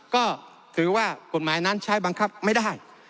ก็ถือว่ากฎหมายนั้นใช้บังคับไม่ได้